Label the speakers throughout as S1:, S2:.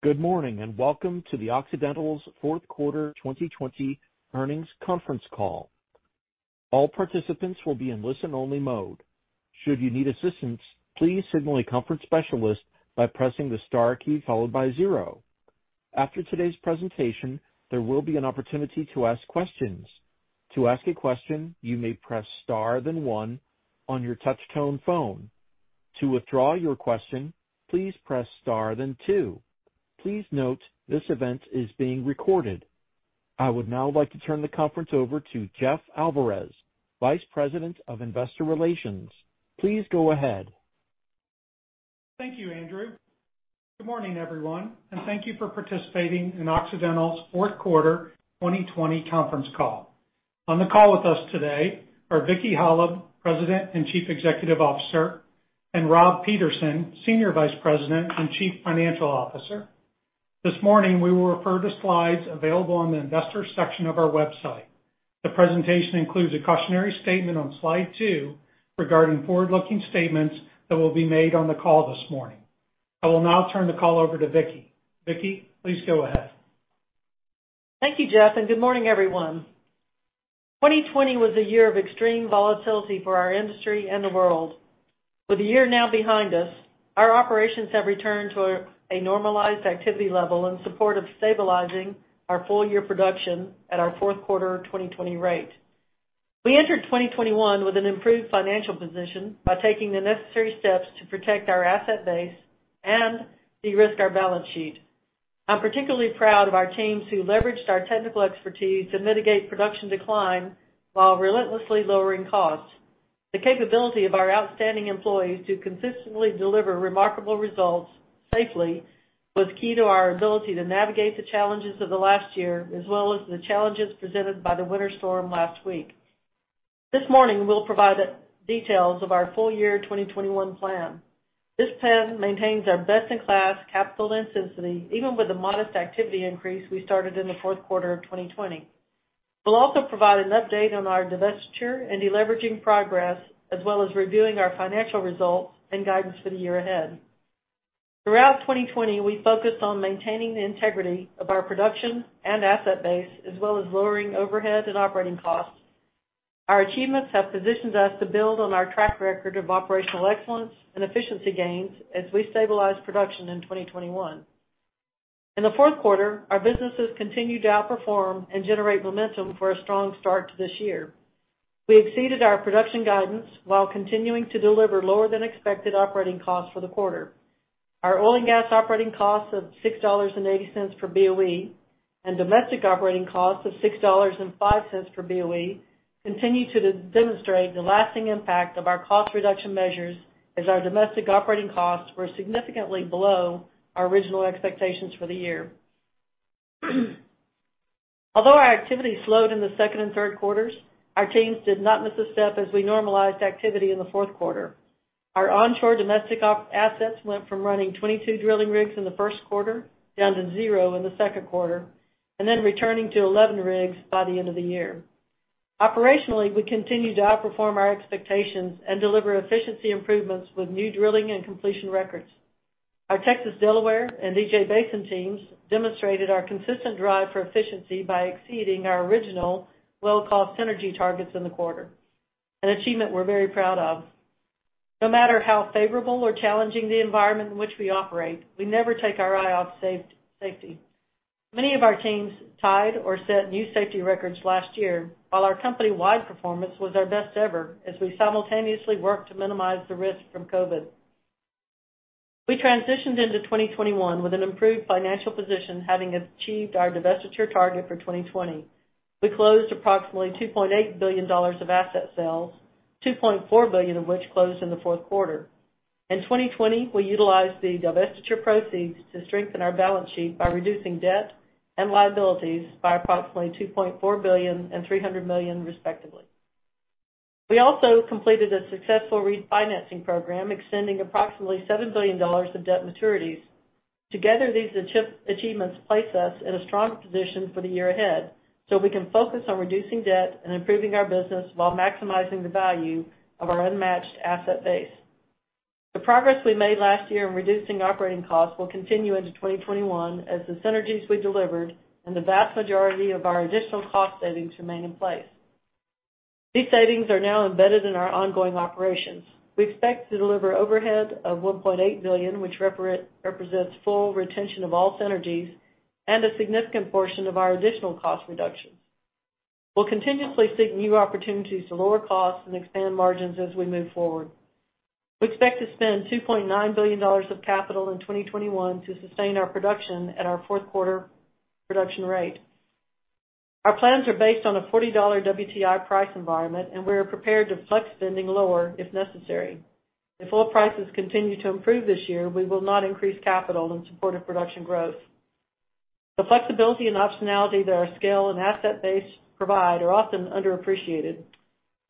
S1: Good morning, and welcome to the Occidental's Q4 2020 earnings conference call. All participants will be in listen-only mode. Should you need assistance, please signal a conference specialist by pressing the star key followed by zero. After today's presentation, there will be an opportunity to ask questions. To ask a question, you may press star then one on your touch tone phone. To withdraw your question, please press star then two. Please note, this event is being recorded. I would now like to turn the conference over to Jeff Alvarez, Vice President of Investor Relations. Please go ahead.
S2: Thank you, Andrew. Good morning, everyone, and thank you for participating in Occidental's Q4 2020 conference call. On the call with us today are Vicki Hollub, President and Chief Executive Officer, and Rob Peterson, Senior Vice President and Chief Financial Officer. This morning, we will refer to slides available on the investor section of our website. The presentation includes a cautionary statement on slide two regarding forward-looking statements that will be made on the call this morning. I will now turn the call over to Vicki. Vicki, please go ahead.
S3: Thank you, Jeff. Good morning, everyone. 2020 was a year of extreme volatility for our industry and the world. With the year now behind us, our operations have returned to a normalized activity level in support of stabilizing our full-year production at our Q4 2020 rate. We entered 2021 with an improved financial position by taking the necessary steps to protect our asset base and de-risk our balance sheet. I'm particularly proud of our teams who leveraged our technical expertise to mitigate production decline while relentlessly lowering costs. The capability of our outstanding employees to consistently deliver remarkable results safely was key to our ability to navigate the challenges of the last year, as well as the challenges presented by the winter storm last week. This morning, we'll provide details of our full-year 2021 plan. This plan maintains our best-in-class capital intensity, even with the modest activity increase we started in Q4 of 2020. We'll also provide an update on our divestiture and de-leveraging progress, as well as reviewing our financial results and guidance for the year ahead. Throughout 2020, we focused on maintaining the integrity of our production and asset base, as well as lowering overhead and operating costs. Our achievements have positioned us to build on our track record of operational excellence and efficiency gains as we stabilize production in 2021. In the fourth quarter, our businesses continued to outperform and generate momentum for a strong start to this year. We exceeded our production guidance while continuing to deliver lower than expected operating costs for the quarter. Our oil and gas operating costs of $6.80 per BOE and domestic operating costs of $6.05 per BOE continue to demonstrate the lasting impact of our cost reduction measures as our domestic operating costs were significantly below our original expectations for the year. Although our activity slowed in the second and third quarters, our teams did not miss a step as we normalized activity in Q4. Our onshore domestic op assets went from running 22 drilling rigs in Q1 down to zero in Q2, then returning to 11 rigs by the end of the year. Operationally, we continued to outperform our expectations and deliver efficiency improvements with new drilling and completion records. Our Texas Delaware and DJ Basin teams demonstrated our consistent drive for efficiency by exceeding our original well cost synergy targets in the quarter, an achievement we're very proud of. No matter how favorable or challenging the environment in which we operate, we never take our eye off safety. Many of our teams tied or set new safety records last year, while our company-wide performance was our best ever as we simultaneously worked to minimize the risk from COVID. We transitioned into 2021 with an improved financial position, having achieved our divestiture target for 2020. We closed approximately $2.8 billion of asset sales, $2.4 billion of which closed in Q4. In 2020, we utilized the divestiture proceeds to strengthen our balance sheet by reducing debt and liabilities by approximately $2.4 billion and $300 million respectively. We also completed a successful refinancing program extending approximately $7 billion of debt maturities. Together, these achievements place us in a strong position for the year ahead so we can focus on reducing debt and improving our business while maximizing the value of our unmatched asset base. The progress we made last year in reducing operating costs will continue into 2021 as the synergies we delivered and the vast majority of our additional cost savings remain in place. These savings are now embedded in our ongoing operations. We expect to deliver overhead of $1.8 billion, which represents full retention of all synergies and a significant portion of our additional cost reductions. We'll continuously seek new opportunities to lower costs and expand margins as we move forward. We expect to spend $2.9 billion of capital in 2021 to sustain our production at our fourth quarter production rate. Our plans are based on a $40 WTI price environment, and we are prepared to flex spending lower if necessary. If oil prices continue to improve this year, we will not increase capital in support of production growth. The flexibility and optionality that our scale and asset base provide are often underappreciated.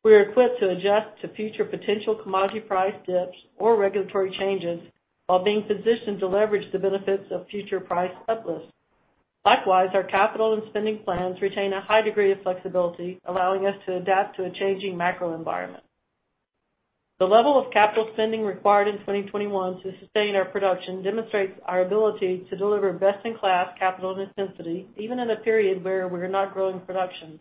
S3: We are equipped to adjust to future potential commodity price dips or regulatory changes while being positioned to leverage the benefits of future price uplifts. Likewise, our capital and spending plans retain a high degree of flexibility, allowing us to adapt to a changing macro environment. The level of capital spending required in 2021 to sustain our production demonstrates our ability to deliver best-in-class capital intensity, even in a period where we're not growing production.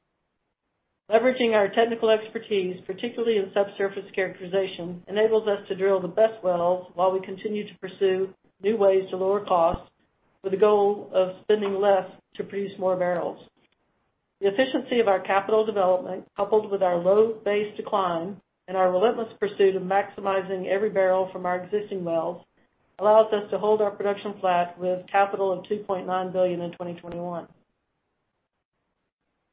S3: Leveraging our technical expertise, particularly in subsurface characterization, enables us to drill the best wells while we continue to pursue new ways to lower costs with the goal of spending less to produce more barrels. The efficiency of our capital development, coupled with our low base decline and our relentless pursuit of maximizing every barrel from our existing wells, allows us to hold our production flat with capital of $2.9 billion in 2021.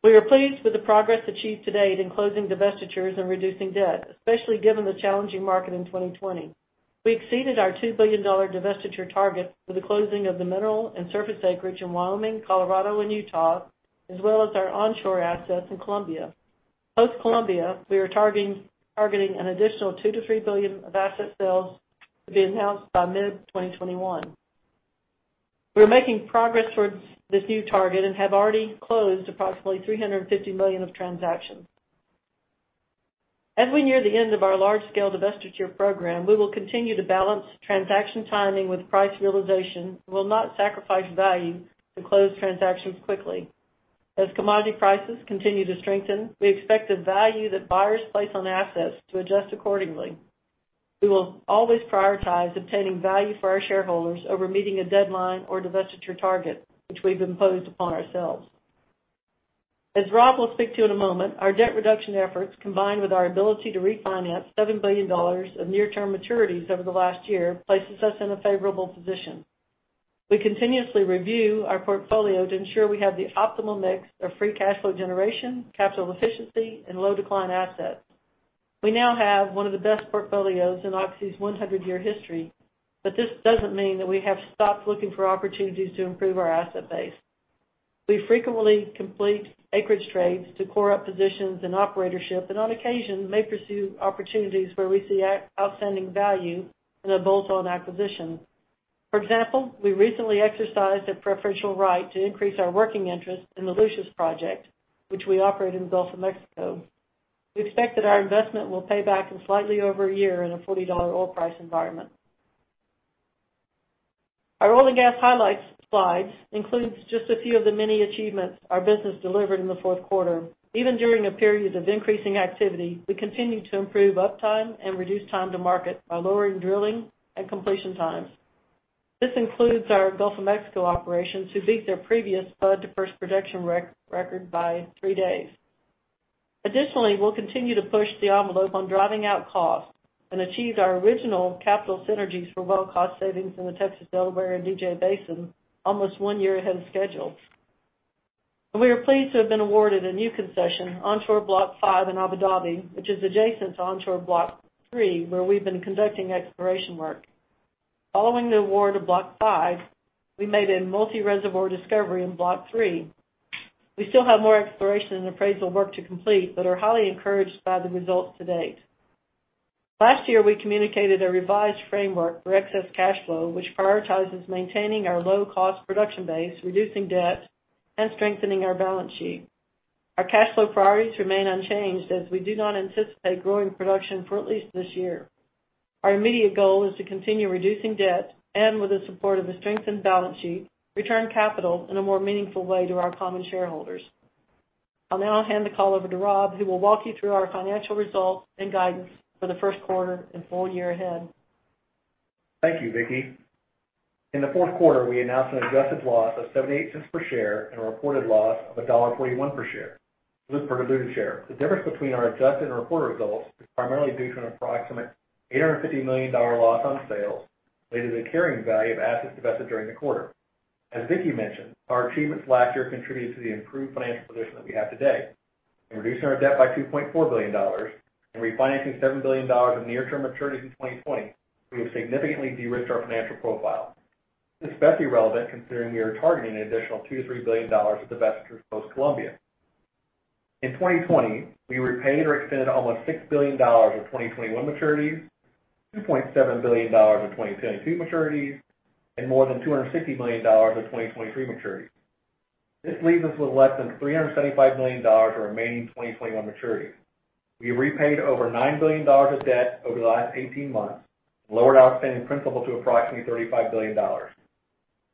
S3: We are pleased with the progress achieved to date in closing divestitures and reducing debt, especially given the challenging market in 2020. We exceeded our $2 billion divestiture target with the closing of the mineral and surface acreage in Wyoming, Colorado, and Utah, as well as our onshore assets in Colombia. Post-Colombia, we are targeting an additional $2 billion-$3 billion of asset sales to be announced by mid-2021. We are making progress towards this new target and have already closed approximately $350 million of transactions. As we near the end of our large-scale divestiture program, we will continue to balance transaction timing with price realization and will not sacrifice value to close transactions quickly. As commodity prices continue to strengthen, we expect the value that buyers place on assets to adjust accordingly. We will always prioritize obtaining value for our shareholders over meeting a deadline or divestiture target which we've imposed upon ourselves. As Rob will speak to in a moment, our debt reduction efforts, combined with our ability to refinance $7 billion of near-term maturities over the last year, places us in a favorable position. We continuously review our portfolio to ensure we have the optimal mix of free cash flow generation, capital efficiency, and low-decline assets. We now have one of the best portfolios in Oxy's 100-year history. This doesn't mean that we have stopped looking for opportunities to improve our asset base. We frequently complete acreage trades to core up positions and operatorship. On occasion, may pursue opportunities where we see outstanding value in a bolt-on acquisition. For example, we recently exercised a preferential right to increase our working interest in the Lucius project, which we operate in the Gulf of Mexico. We expect that our investment will pay back in slightly over a year in a $40 oil price environment. Our oil and gas highlights slides includes just a few of the many achievements our business delivered in the fourth quarter. Even during a period of increasing activity, we continued to improve uptime and reduce time to market by lowering drilling and completion times. This includes our Gulf of Mexico operations, who beat their previous spud to first production record by three days. Additionally, we'll continue to push the envelope on driving out costs and achieve our original capital synergies for well cost savings in the Texas Delaware and DJ basin almost one year ahead of schedule. We are pleased to have been awarded a new concession onshore Block five in Abu Dhabi, which is adjacent to onshore Block three, where we've been conducting exploration work. Following the award of Block five, we made a multi-reservoir discovery in Block three. We still have more exploration and appraisal work to complete, but are highly encouraged by the results to date. Last year, we communicated a revised framework for excess cash flow, which prioritizes maintaining our low-cost production base, reducing debt, and strengthening our balance sheet. Our cash flow priorities remain unchanged as we do not anticipate growing production for at least this year. Our immediate goal is to continue reducing debt and, with the support of a strengthened balance sheet, return capital in a more meaningful way to our common shareholders. I'll now hand the call over to Rob, who will walk you through our financial results and guidance for the first quarter and full year ahead.
S4: Thank you, Vicki. In the fourth quarter, we announced an adjusted loss of $0.78 per share and a reported loss of $1.41 per share. This per diluted share. The difference between our adjusted and reported results is primarily due to an approximate $850 million loss on sales related to the carrying value of assets divested during the quarter. As Vicki mentioned, our achievements last year contributed to the improved financial position that we have today. In reducing our debt by $2.4 billion and refinancing $7 billion of near-term maturities in 2020, we have significantly de-risked our financial profile. This is especially relevant considering we are targeting an additional $2 billion-$3 billion of divestitures post-Colombia. In 2020, we repaid or extended almost $6 billion of 2021 maturities, $2.7 billion of 2022 maturities, and more than $260 million of 2023 maturities. This leaves us with less than $375 million of remaining 2021 maturities. We repaid over $9 billion of debt over the last 18 months and lowered outstanding principal to approximately $35 billion.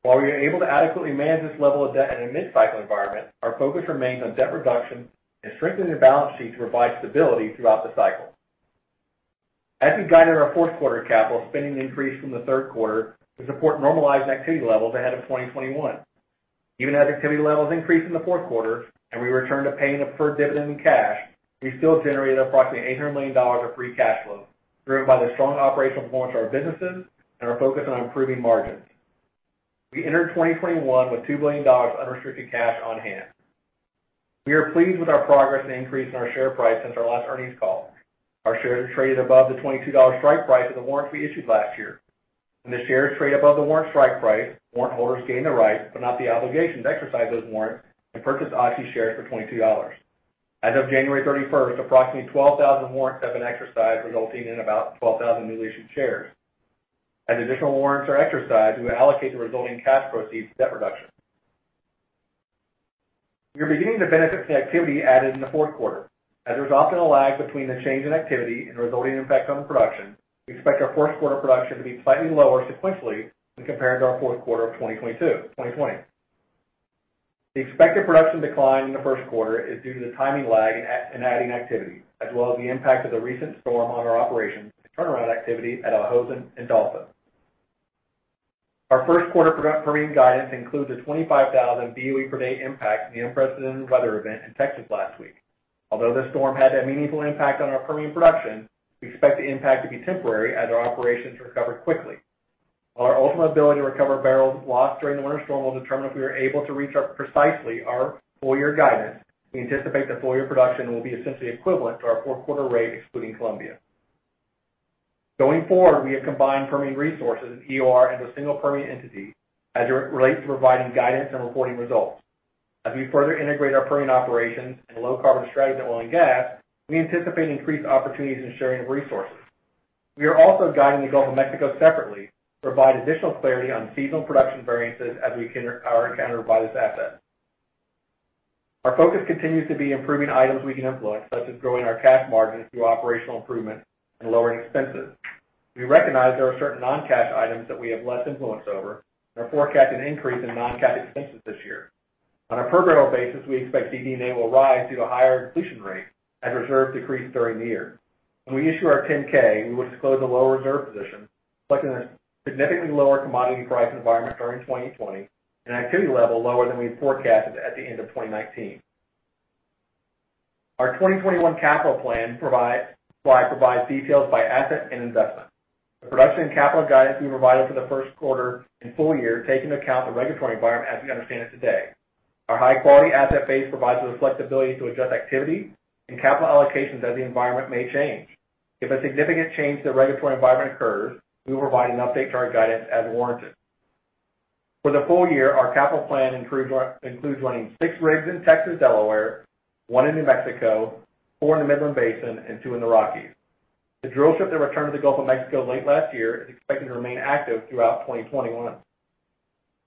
S4: While we are able to adequately manage this level of debt in a mid-cycle environment, our focus remains on debt reduction and strengthening the balance sheet to provide stability throughout the cycle. As we guided our fourth quarter capital spending increase from the third quarter to support normalized activity levels ahead of 2021. Even as activity levels increased in the fourth quarter and we returned to paying a preferred dividend in cash, we still generated approximately $800 million of free cash flow, driven by the strong operational performance of our businesses and our focus on improving margins. We entered 2021 with $2 billion of unrestricted cash on hand. We are pleased with our progress in increasing our share price since our last earnings call. Our shares traded above the $22 strike price of the warrants we issued last year. When the shares trade above the warrant strike price, warrant holders gain the right, but not the obligation to exercise those warrants and purchase Oxy shares for $22. As of January 31st, approximately 12,000 warrants have been exercised, resulting in about 12,000 newly issued shares. As additional warrants are exercised, we will allocate the resulting cash proceeds to debt reduction. We are beginning to benefit from the activity added in the fourth quarter. As there's often a lag between the change in activity and the resulting impact on production, we expect our first quarter production to be slightly lower sequentially when compared to our Q4 of 2020. The expected production decline in the first quarter is due to the timing lag in adding activity, as well as the impact of the recent storm on our operations and turnaround activity at Al Hosn and Dolphin. Our first quarter Permian guidance includes a 25,000 BOE per day impact from the unprecedented weather event in Texas last week. Although this storm had a meaningful impact on our Permian production, we expect the impact to be temporary as our operations recover quickly. While our ultimate ability to recover barrels lost during the winter storm will determine if we are able to reach precisely our full-year guidance, we anticipate that full-year production will be essentially equivalent to our fourth quarter rate, excluding Colombia. Going forward, we have combined Permian Resources and EOR into a single Permian entity as it relates to providing guidance and reporting results. As we further integrate our Permian operations and low-carbon strategy in oil and gas, we anticipate increased opportunities in sharing of resources. We are also guiding the Gulf of Mexico separately to provide additional clarity on seasonal production variances as we are encountered by this asset. Our focus continues to be improving items we can influence, such as growing our cash margin through operational improvement and lowering expenses. We recognize there are certain non-cash items that we have less influence over and forecast an increase in non-cash expenses this year. On a per-barrel basis, we expect DD&A will rise due to a higher depletion rate as reserves decrease during the year. When we issue our 10-K, we will disclose a lower reserve position, reflecting a significantly lower commodity price environment during 2020 and an activity level lower than we had forecasted at the end of 2019. Our 2021 capital plan slide provides details by asset and investment. The production capital guidance we provided for the first quarter and full year take into account the regulatory environment as we understand it today. Our high-quality asset base provides us the flexibility to adjust activity and capital allocations as the environment may change. If a significant change to the regulatory environment occurs, we will provide an update to our guidance as warranted. For the full year, our capital plan includes running six rigs in Texas Delaware, one in New Mexico, four in the Midland Basin, and two in the Rockies. The drillship that returned to the Gulf of Mexico late last year is expected to remain active throughout 2021.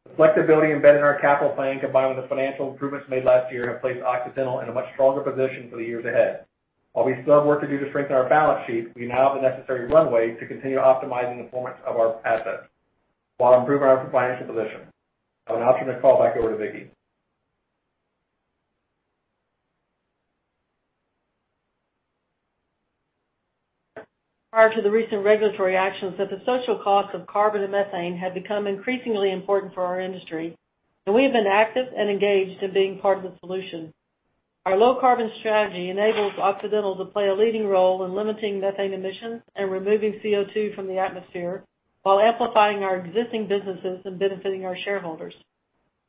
S4: The flexibility embedded in our capital plan, combined with the financial improvements made last year, have placed Occidental in a much stronger position for the years ahead. While we still have work to do to strengthen our balance sheet, we now have the necessary runway to continue optimizing the performance of our assets while improving our financial position. I will now turn the call back over to Vicki.
S3: Prior to the recent regulatory actions that the social cost of carbon and methane had become increasingly important for our industry. We have been active and engaged in being part of the solution. Our low-carbon strategy enables Occidental to play a leading role in limiting methane emissions and removing CO2 from the atmosphere while amplifying our existing businesses and benefiting our shareholders.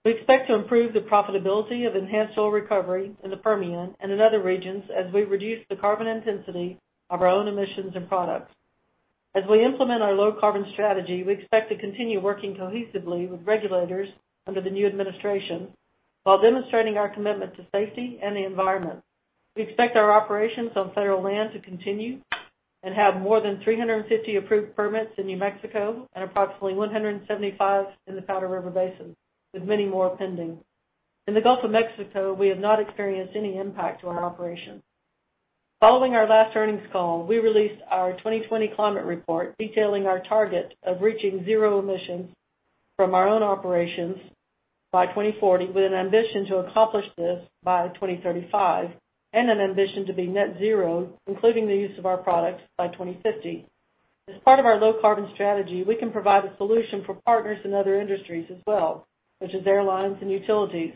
S3: We expect to improve the profitability of enhanced oil recovery in the Permian and in other regions as we reduce the carbon intensity of our own emissions and products. As we implement our low-carbon strategy, we expect to continue working cohesively with regulators under the new administration while demonstrating our commitment to safety and the environment. We expect our operations on federal land to continue and have more than 350 approved permits in New Mexico and approximately 175 in the Powder River Basin, with many more pending. In the Gulf of Mexico, we have not experienced any impact to our operations. Following our last earnings call, we released our 2020 climate report detailing our target of reaching zero emissions from our own operations by 2040, with an ambition to accomplish this by 2035, and an ambition to be net zero, including the use of our products, by 2050. As part of our low-carbon strategy, we can provide a solution for partners in other industries as well, such as airlines and utilities.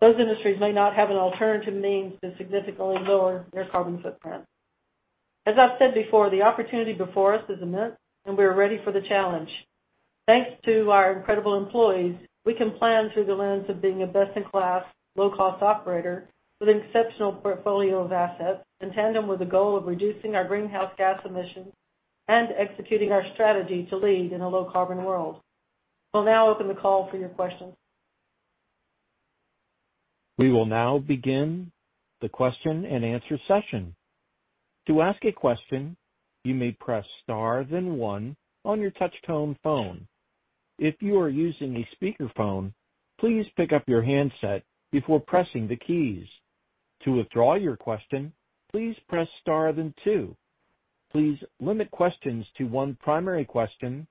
S3: Those industries may not have an alternative means to significantly lower their carbon footprint. As I've said before, the opportunity before us is immense, and we are ready for the challenge. Thanks to our incredible employees, we can plan through the lens of being a best-in-class, low-cost operator with an exceptional portfolio of assets in tandem with the goal of reducing our greenhouse gas emissions and executing our strategy to lead in a low-carbon world. We'll now open the call for your questions.
S1: We will now begin the question-and-answer session. To ask a question, you may press star then one on your touch-tone phone. If you are using a speakerphone, please pick up your handset before pressing the keys. To withdraw your question, please press star then two. Please limit questions to one primary question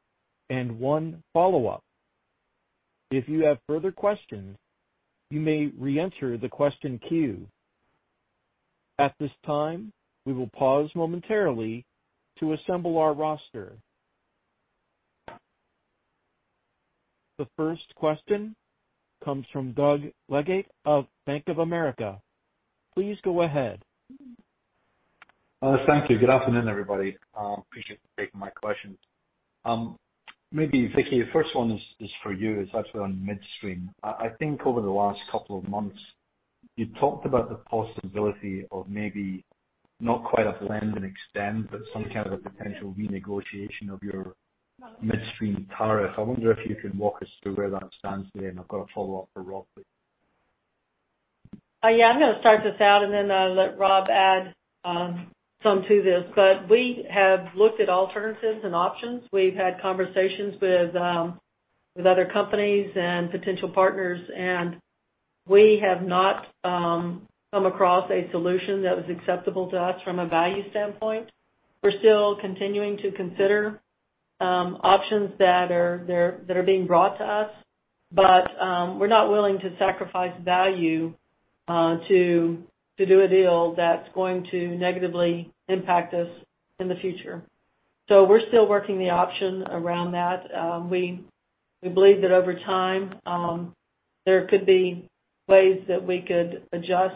S1: and one follow-up. If you have further questions, you may reenter the question queue. At this time, we will pause momentarily to assemble our roster. The first question comes from Doug Leggate of Bank of America. Please go ahead.
S5: Thank you. Good afternoon, everybody. Appreciate you taking my questions. Maybe Vicki, the first one is for you. It is actually on midstream. I think over the last couple of months, you talked about the possibility of maybe not quite a blend and extend, but some kind of a potential renegotiation of your midstream tariff. I wonder if you can walk us through where that stands today, and I have got a follow-up for Rob.
S3: Yeah, I'm going to start this out and then let Rob add some to this. We have looked at alternatives and options. We've had conversations with other companies and potential partners, we have not come across a solution that was acceptable to us from a value standpoint. We're still continuing to consider options that are being brought to us, we're not willing to sacrifice value to do a deal that's going to negatively impact us in the future. We're still working the option around that. We believe that over time, there could be ways that we could adjust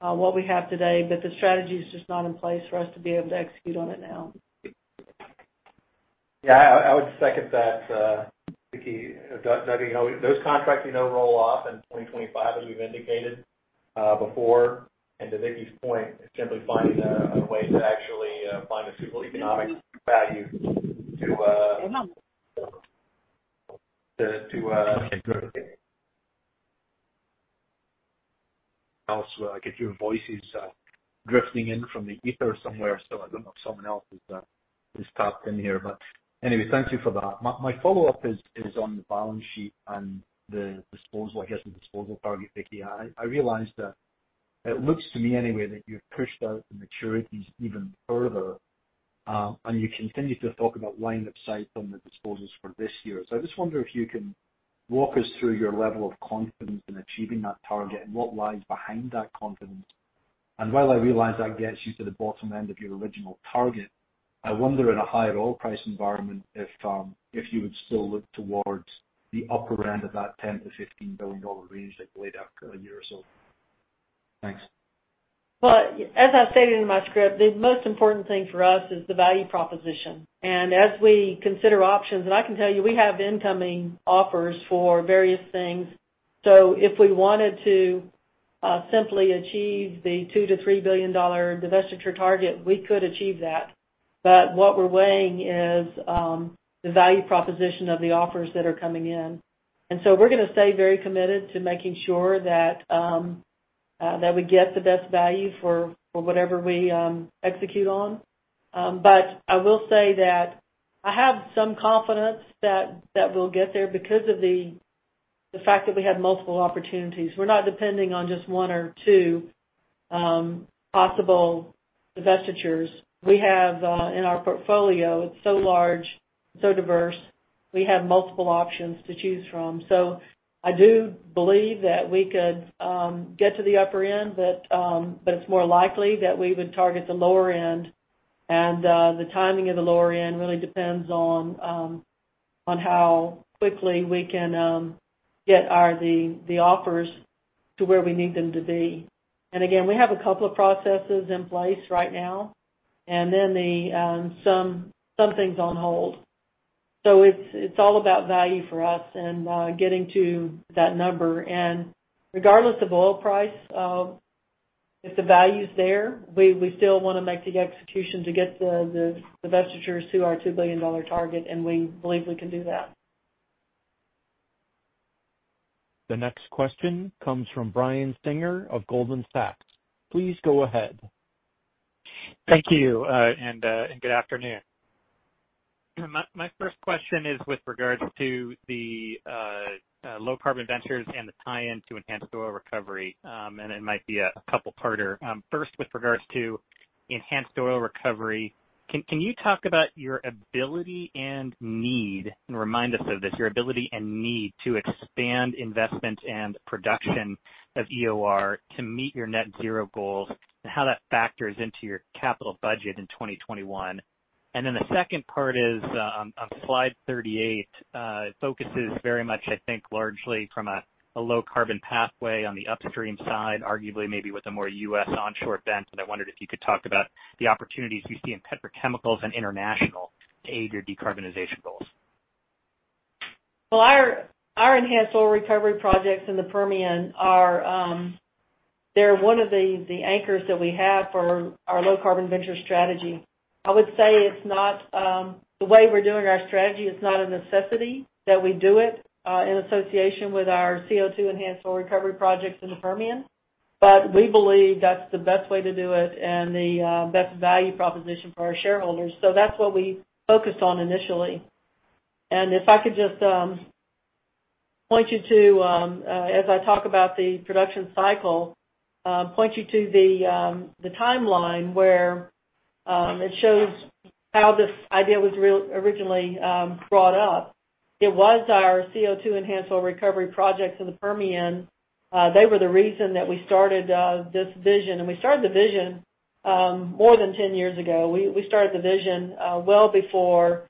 S3: what we have today, the strategy is just not in place for us to be able to execute on it now.
S4: Yeah, I would second that, Vicki. Those contracts roll off in 2025, as we've indicated before. To Vicki's point, it's simply finding a way to actually find a suitable economic value to.
S5: Hang on.
S4: To-
S1: Okay, go ahead.
S5: Also, I could hear voices drifting in from the ether somewhere, so I don't know if someone else is tapped in here. Anyway, thank you for that. My follow-up is on the balance sheet and the disposal, I guess, the disposal target, Vicki. I realize that it looks to me anyway that you've pushed out the maturities even further, and you continue to talk about line of sight on the disposals for this year. I just wonder if you can walk us through your level of confidence in achieving that target and what lies behind that confidence. While I realize that gets you to the bottom end of your original target, I wonder in a higher oil price environment, if you would still look towards the upper end of that $10 billion-$15 billion range that you laid out a year or so. Thanks.
S3: Well, as I stated in my script, the most important thing for us is the value proposition. As we consider options, I can tell you, we have incoming offers for various things. If we wanted to simply achieve the $2 billion-$3 billion divestiture target, we could achieve that. What we're weighing is the value proposition of the offers that are coming in. We're going to stay very committed to making sure that we get the best value for whatever we execute on. I will say that I have some confidence that we'll get there because of the fact that we have multiple opportunities. We're not depending on just one or two possible divestitures. We have in our portfolio, it's so large, so diverse, we have multiple options to choose from. I do believe that we could get to the upper end, but it's more likely that we would target the lower end. The timing of the lower end really depends on how quickly we can get the offers to where we need them to be. Again, we have a couple of processes in place right now, and then some things on hold. It's all about value for us and getting to that number. Regardless of oil price, if the value's there, we still want to make the execution to get the divestitures to our $2 billion target, and we believe we can do that.
S1: The next question comes from Brian Singer of Goldman Sachs. Please go ahead.
S6: Thank you. Good afternoon. My first question is with regards to the Low Carbon Ventures and the tie-in to enhanced oil recovery, and it might be a two-parter. First, with regards to enhanced oil recovery, can you talk about your ability and need, and remind us of this, your ability and need to expand investment and production of EOR to meet your net zero goals, and how that factors into your capital budget in 2021? The second part is on slide 38. It focuses very much, I think, largely from a low carbon pathway on the upstream side, arguably maybe with a more U.S. onshore bent, and I wondered if you could talk about the opportunities you see in petrochemicals and international to aid your decarbonization goals.
S3: Well, our enhanced oil recovery projects in the Permian are one of the anchors that we have for our low carbon venture strategy. I would say the way we're doing our strategy is not a necessity that we do it in association with our CO2 enhanced oil recovery projects in the Permian. We believe that's the best way to do it and the best value proposition for our shareholders. That's what we focused on initially. If I could just, as I talk about the production cycle, point you to the timeline where it shows how this idea was originally brought up. It was our CO2 enhanced oil recovery projects in the Permian. They were the reason that we started this vision, and we started the vision more than 10 years ago. We started the vision well before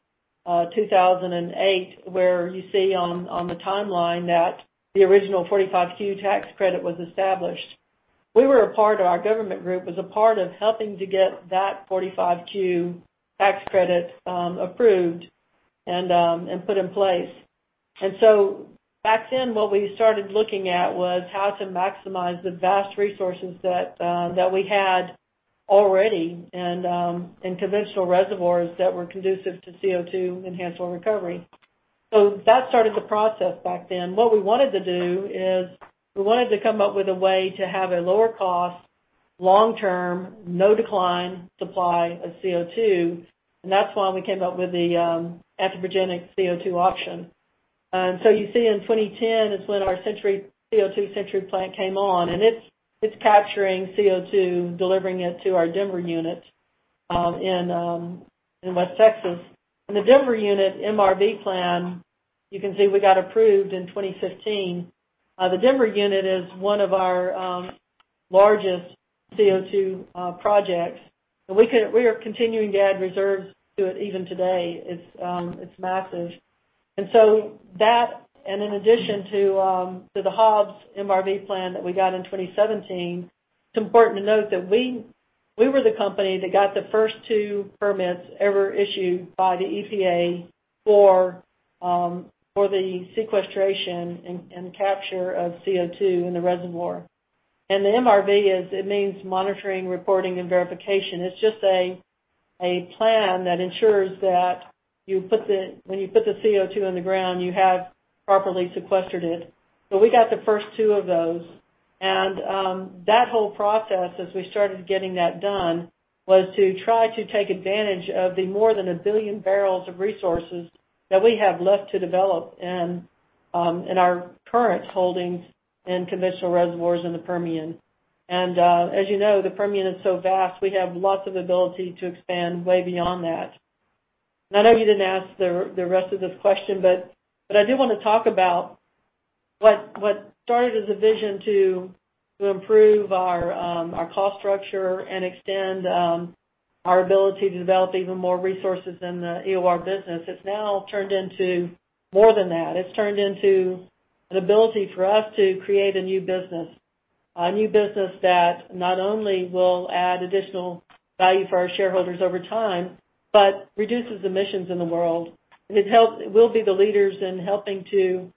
S3: 2008, where you see on the timeline that the original Section 45Q tax credit was established. Our government group was a part of helping to get that Section 45Q tax credit approved and put in place. Back then, what we started looking at was how to maximize the vast resources that we had already in conventional reservoirs that were conducive to CO2 enhanced oil recovery. That started the process back then. What we wanted to do is, we wanted to come up with a way to have a lower cost, long-term, no decline supply of CO2, and that's why we came up with the anthropogenic CO2 option. You see in 2010 is when our CO2 Century Plant came on, and it's capturing CO2, delivering it to our Denver Unit in West Texas. The Denver Unit, MRV plan, you can see we got approved in 2015. The Denver Unit is one of our largest CO2 projects, and we are continuing to add reserves to it even today. It's massive. That, and in addition to the Hobbs MRV plan that we got in 2017, it's important to note that we were the company that got the first two permits ever issued by the EPA for the sequestration and capture of CO2 in the reservoir. The MRV, it means monitoring, reporting, and verification. It's just a plan that ensures that when you put the CO2 in the ground, you have properly sequestered it. We got the first two of those, and that whole process, as we started getting that done, was to try to take advantage of the more than 1 billion barrels of resources that we have left to develop in our current holdings in conventional reservoirs in the Permian. As you know, the Permian is so vast, we have lots of ability to expand way beyond that. I know you didn't ask the rest of this question, but I do want to talk about what started as a vision to improve our cost structure and extend our ability to develop even more resources in the EOR business. It's now turned into more than that. It's turned into an ability for us to create a new business, a new business that not only will add additional value for our shareholders over time, but reduces emissions in the world. We'll be the leaders in helping to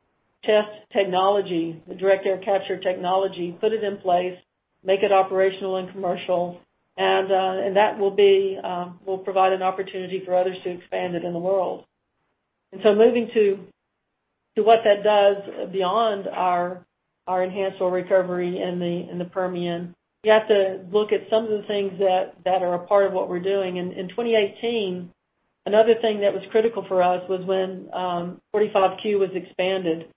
S3: test technology, the direct air capture technology, put it in place, make it operational and commercial, and that will provide an opportunity for others to expand it in the world. Moving to what that does beyond our enhanced oil recovery in the Permian, you have to look at some of the things that are a part of what we're doing. In 2018, another thing that was critical for us was when 45Q was expanded.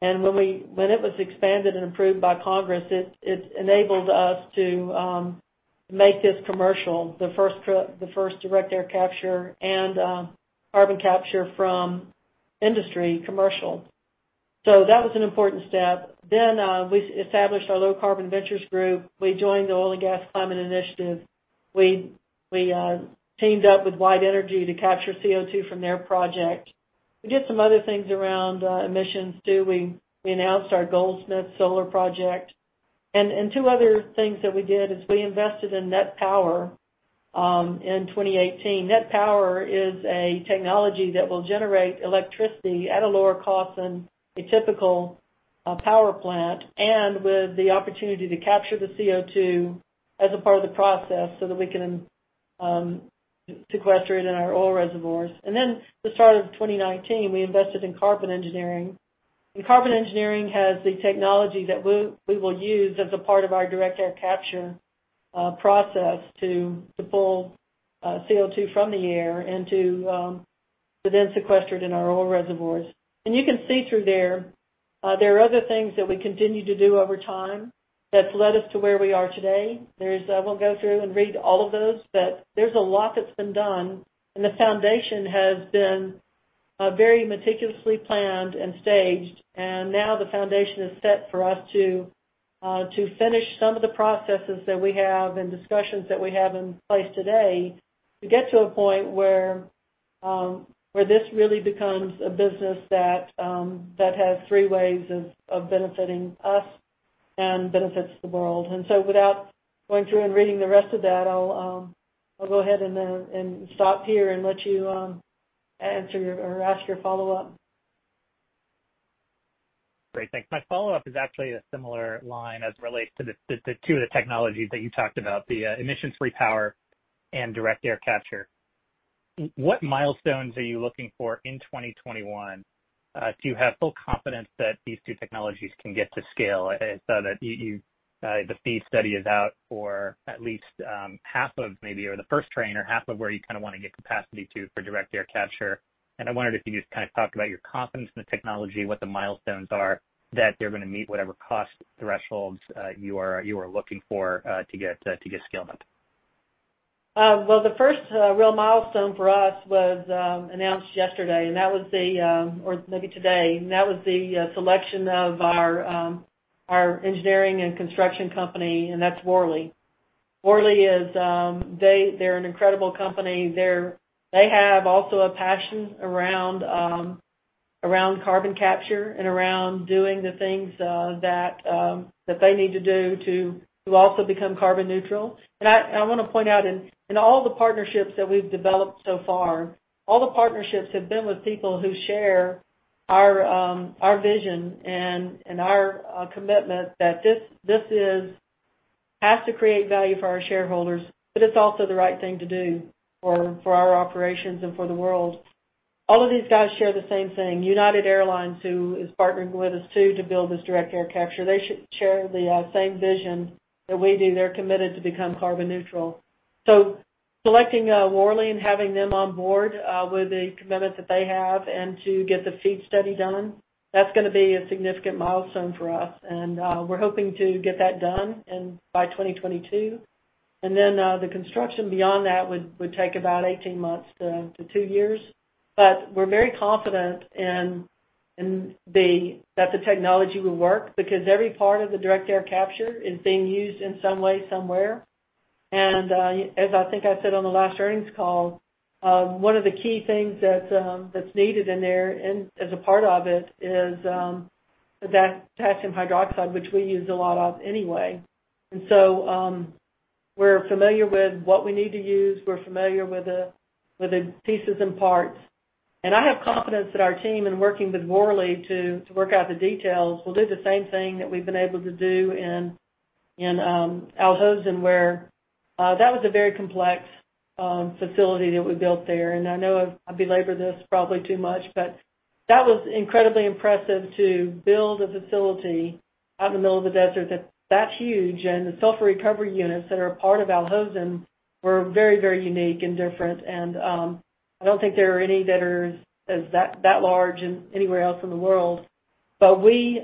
S3: When it was expanded and approved by Congress, it enabled us to make this commercial, the first direct air capture and carbon capture from industry commercial. That was an important step. We established our Low Carbon Ventures group. We joined the Oil and Gas Climate Initiative. We teamed up with White Energy to capture CO2 from their project. We did some other things around emissions, too. We announced our Goldsmith solar project. Two other things that we did is we invested in NET Power in 2018. NET Power is a technology that will generate electricity at a lower cost than a typical power plant, and with the opportunity to capture the CO2 as a part of the process so that we can sequester it in our oil reservoirs. The start of 2019, we invested in Carbon Engineering, and Carbon Engineering has the technology that we will use as a part of our direct air capture process to pull CO2 from the air and to then sequester it in our oil reservoirs. You can see through there are other things that we continue to do over time that's led us to where we are today. I won't go through and read all of those, but there's a lot that's been done, the foundation has been very meticulously planned and staged, now the foundation is set for us to finish some of the processes that we have and discussions that we have in place today to get to a point where this really becomes a business that has three ways of benefiting us and benefits the world. Without going through and reading the rest of that, I'll go ahead and stop here and let you ask your follow-up.
S6: Great. Thanks. My follow-up is actually a similar line as it relates to the two of the technologies that you talked about, the emission-free power and direct air capture. What milestones are you looking for in 2021 to have full confidence that these two technologies can get to scale? I saw that the FEED study is out for at least half of maybe, or the first train, or half of where you want to get capacity to for direct air capture. I wondered if you could just talk about your confidence in the technology, what the milestones are that they're going to meet whatever cost thresholds you are looking for to get scaled up.
S3: The first real milestone for us was announced yesterday, or maybe today, and that was the selection of our engineering and construction company, and that's Worley. Worley, they're an incredible company. They have also a passion around carbon capture and around doing the things that they need to do to also become carbon neutral. I want to point out, in all the partnerships that we've developed so far, all the partnerships have been with people who share our vision and our commitment that this has to create value for our shareholders, but it's also the right thing to do for our operations and for the world. All of these guys share the same thing. United Airlines, who is partnering with us too to build this direct air capture, they share the same vision that we do. They're committed to become carbon neutral. Selecting Worley and having them on board with the commitment that they have and to get the feed study done, that's going to be a significant milestone for us. We're hoping to get that done by 2022. The construction beyond that would take about 18 months to two years. We're very confident that the technology will work because every part of the direct air capture is being used in some way, somewhere. As I think I said on the last earnings call, one of the key things that's needed in there as a part of it is the potassium hydroxide, which we use a lot of anyway. We're familiar with what we need to use. We're familiar with the pieces and parts. I have confidence that our team, in working with Worley to work out the details, will do the same thing that we've been able to do in Al Hosn where that was a very complex facility that we built there. I know I belabor this probably too much, that was incredibly impressive to build a facility out in the middle of the desert that's that huge. The sulfur recovery units that are a part of Al Hosn were very unique and different. I don't think there are any that are as that large anywhere else in the world. We,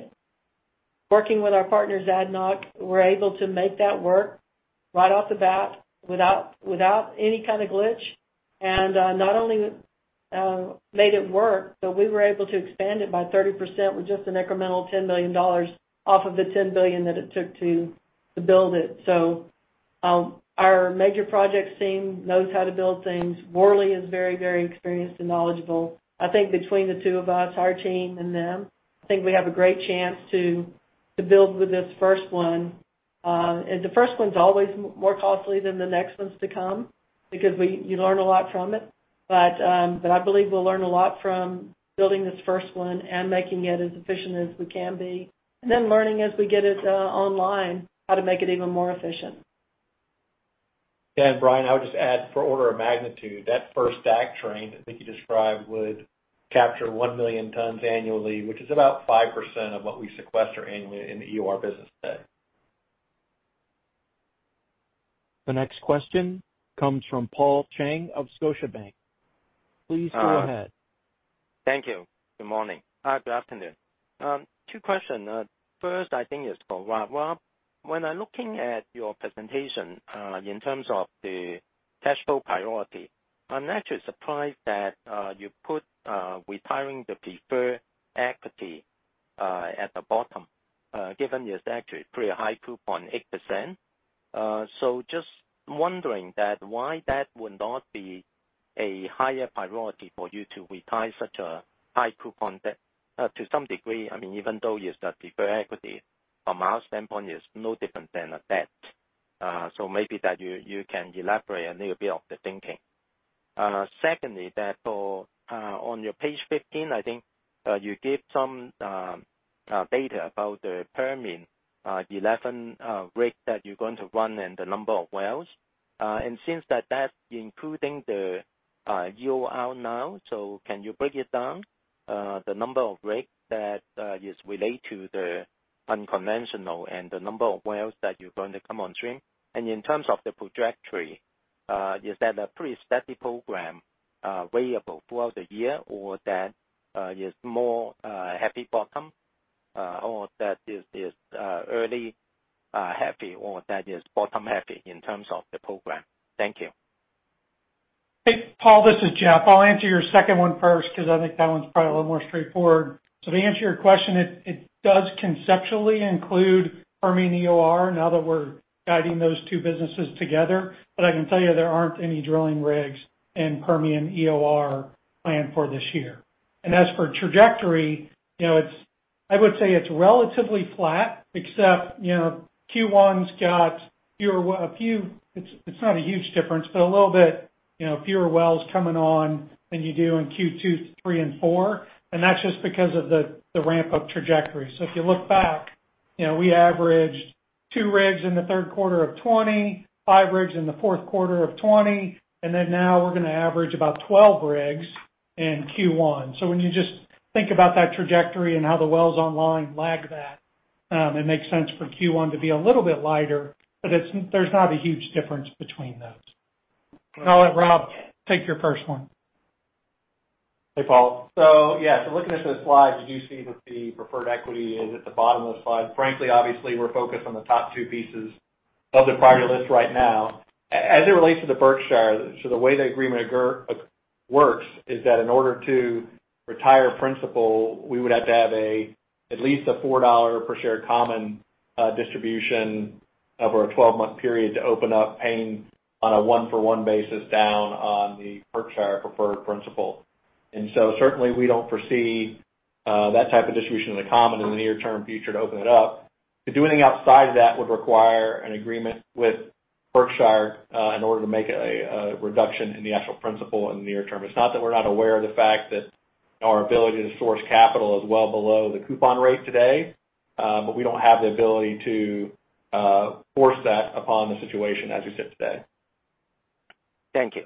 S3: working with our partners, ADNOC, were able to make that work right off the bat without any kind of glitch. Not only made it work, but we were able to expand it by 30% with just an incremental $10 million off of the $10 billion that it took to build it. Our major projects team knows how to build things. Worley is very experienced and knowledgeable. I think between the two of us, our team and them, I think we have a great chance to build with this first one. The first one's always more costly than the next ones to come because you learn a lot from it. I believe we'll learn a lot from building this first one and making it as efficient as we can be, and then learning as we get it online how to make it even more efficient.
S4: Yeah. Brian, I would just add for order of magnitude, that first DAC train that Vicki described would capture 1 million tons annually, which is about 5% of what we sequester annually in the EOR business today.
S1: The next question comes from Paul Cheng of Scotiabank. Please go ahead.
S7: Thank you. Good morning. Good afternoon. Two question. First, I think it's for Rob. Rob, when I'm looking at your presentation, in terms of the cash flow priority, I'm actually surprised that you put retiring the preferred equity at the bottom, given it's actually pretty high coupon, 8%. Just wondering why that would not be a higher priority for you to retire such a high coupon debt? To some degree, even though it's the preferred equity, from our standpoint, it's no different than a debt. Maybe that you can elaborate a little bit of the thinking. Secondly, on your page 15, I think you gave some data about the Permian-11 rig that you're going to run and the number of wells. Since that's including the EOR now, can you break it down? The number of rigs that is related to the unconventional and the number of wells that you're going to come on stream. In terms of the trajectory, is that a pretty steady program, variable throughout the year or that is more heavy bottom, or that is early heavy or that is bottom heavy in terms of the program? Thank you.
S2: Hey, Paul, this is Jeff. To answer your second one first because I think that one's probably a little more straightforward. To answer your question, it does conceptually include Permian EOR now that we're guiding those two businesses together. I can tell you there aren't any drilling rigs in Permian EOR planned for this year. As for trajectory, I would say it's relatively flat except Q1's got a few, it's not a huge difference, but a little bit fewer wells coming on than you do in Q2, Q3 and Q4. That's just because of the ramp-up trajectory. If you look back, we averaged two rigs in the third quarter of 2020, five rigs in Q4 of 2020, and then now we're going to average about 12 rigs in Q1. When you just think about that trajectory and how the wells online lag that, it makes sense for Q1 to be a little bit lighter, but there's not a huge difference between those. I'll let Rob take your first one.
S4: Hey, Paul. Looking at the slide, you do see that the preferred equity is at the bottom of the slide. Frankly, obviously, we're focused on the top two pieces of the priority list right now. As it relates to the Berkshire, the way the agreement works is that in order to retire principal, we would have to have at least a $4 per share common distribution over a 12-month period to open up paying on a one-for-one basis down on the Berkshire preferred principal. Certainly we don't foresee that type of distribution in the common in the near-term future to open it up. To do anything outside of that would require an agreement with Berkshire in order to make a reduction in the actual principal in the near term. It's not that we're not aware of the fact that our ability to source capital is well below the coupon rate today. We don't have the ability to force that upon the situation as we sit today.
S7: Thank you.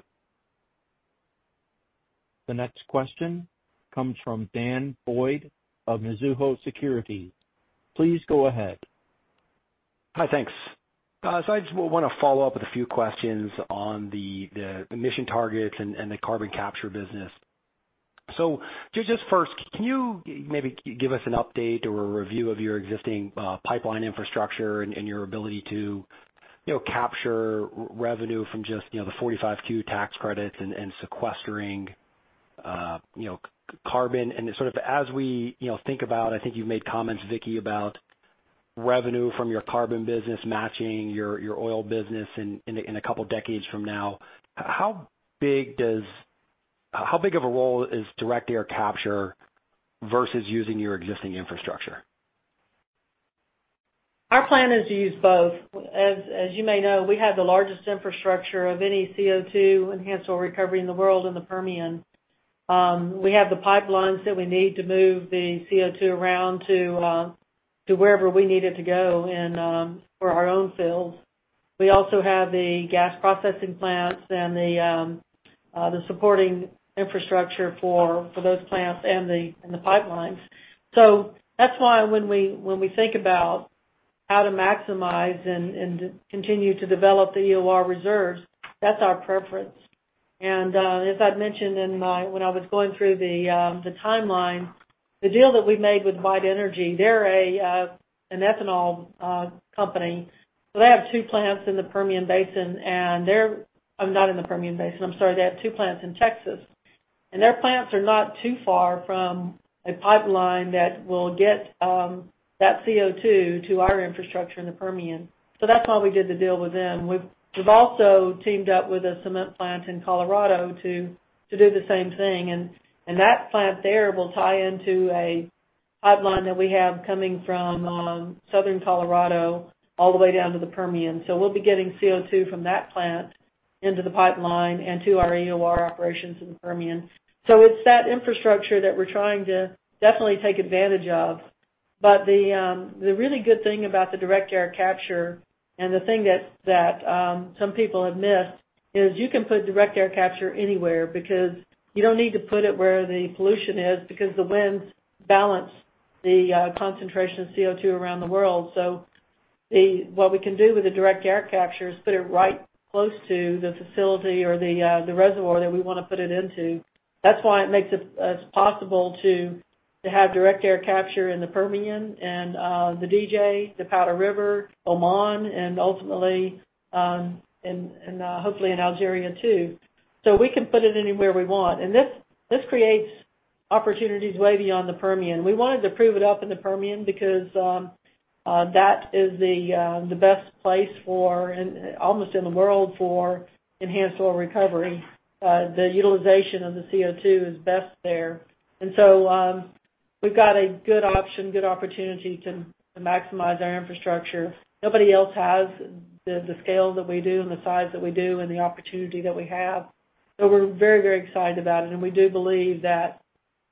S1: The next question comes from Daniel Boyd of Mizuho Securities. Please go ahead.
S8: Hi, thanks. I just want to follow up with a few questions on the emission targets and the carbon capture business. Just first, can you maybe give us an update or a review of your existing pipeline infrastructure and your ability to capture revenue from just the 45Q tax credits and sequestering carbon? As we think about, I think you've made comments, Vicki, about revenue from your carbon business matching your oil business in a couple of decades from now. How big of a role is direct air capture versus using your existing infrastructure?
S3: Our plan is to use both. As you may know, we have the largest infrastructure of any CO2 enhanced oil recovery in the world in the Permian. We have the pipelines that we need to move the CO2 around to wherever we need it to go for our own fields. We also have the gas processing plants and the supporting infrastructure for those plants and the pipelines. That's why when we think about how to maximize and continue to develop the EOR reserves, that's our preference. As I'd mentioned when I was going through the timeline, the deal that we made with White Energy, they're an ethanol company. They have two plants in the Permian Basin, and not in the Permian Basin, I'm sorry. They have two plants in Texas, their plants are not too far from a pipeline that will get that CO2 to our infrastructure in the Permian. That's why we did the deal with them. We've also teamed up with a cement plant in Colorado to do the same thing, that plant there will tie into a pipeline that we have coming from southern Colorado all the way down to the Permian. We'll be getting CO2 from that plant into the pipeline and to our EOR operations in the Permian. It's that infrastructure that we're trying to definitely take advantage of. The really good thing about the direct air capture, and the thing that some people have missed is you can put direct air capture anywhere because you don't need to put it where the pollution is because the winds balance the concentration of CO2 around the world. What we can do with the direct air capture is put it right close to the facility or the reservoir that we want to put it into. That's why it makes it possible to have direct air capture in the Permian and the DJ, the Powder River, Oman, and ultimately, hopefully in Algeria too. We can put it anywhere we want, and this creates opportunities way beyond the Permian. We wanted to prove it up in the Permian because that is the best place almost in the world for enhanced oil recovery. The utilization of the CO2 is best there. We've got a good option, good opportunity to maximize our infrastructure. Nobody else has the scale that we do and the size that we do and the opportunity that we have. We're very excited about it, and we do believe that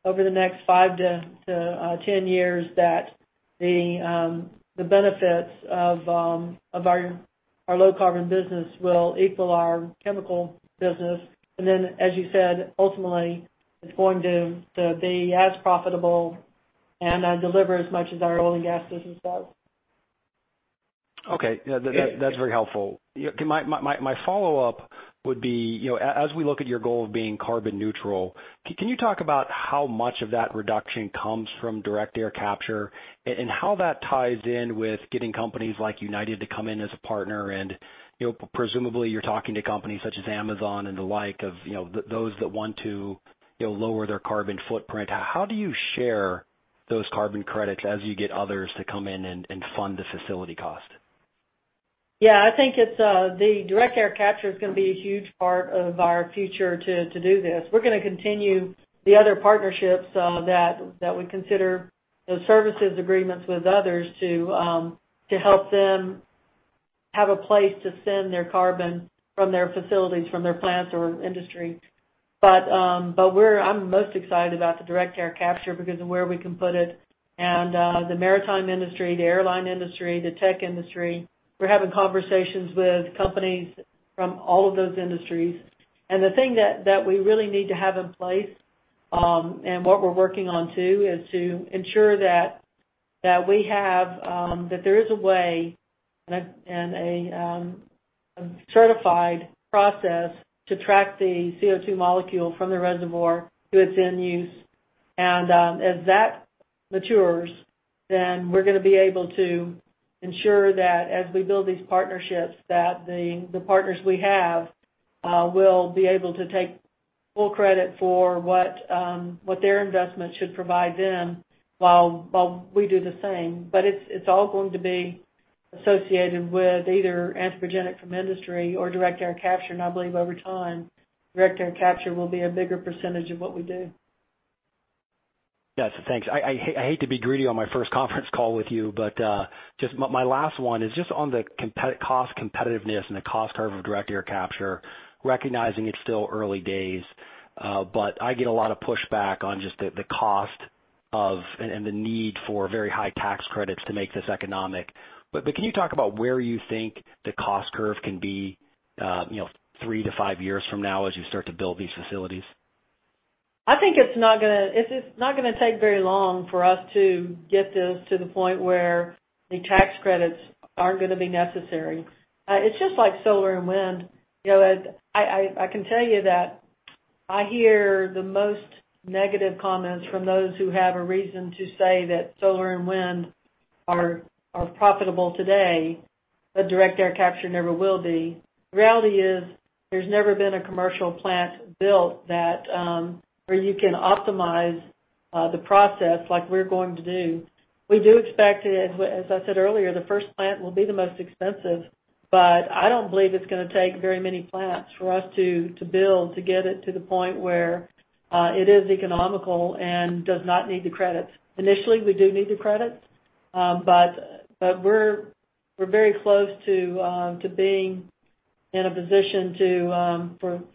S3: over the next 5 to 10 years, that the benefits of our low carbon business will equal our chemical business. Then, as you said, ultimately, it's going to be as profitable and deliver as much as our oil and gas business does.
S8: Okay. That's very helpful. My follow-up would be, as we look at your goal of being carbon neutral, can you talk about how much of that reduction comes from direct air capture and how that ties in with getting companies like United to come in as a partner? Presumably you're talking to companies such as Amazon and the like of those that want to lower their carbon footprint. How do you share those carbon credits as you get others to come in and fund the facility cost?
S3: Yeah, I think the direct air capture is going to be a huge part of our future to do this. We're going to continue the other partnerships that we consider those services agreements with others to help them have a place to send their carbon from their facilities, from their plants or industry. I'm most excited about the direct air capture because of where we can put it and the maritime industry, the airline industry, the tech industry. We're having conversations with companies from all of those industries. The thing that we really need to have in place and what we're working on too, is to ensure that there is a way and a certified process to track the CO2 molecule from the reservoir to its end use. As that matures, then we're going to be able to ensure that as we build these partnerships, that the partners we have will be able to take full credit for what their investment should provide them while we do the same. It's all going to be associated with either anthropogenic from industry or direct air capture. I believe over time, direct air capture will be a bigger percentage of what we do.
S8: Yes. Thanks. I hate to be greedy on my first conference call with you, but my last one is just on the cost competitiveness and the cost curve of direct air capture, recognizing it's still early days, but I get a lot of pushback on just the cost of and the need for very high tax credits to make this economic. Can you talk about where you think the cost curve can be three to five years from now as you start to build these facilities?
S3: I think it's not going to take very long for us to get this to the point where the tax credits aren't going to be necessary. It's just like solar and wind. In a position for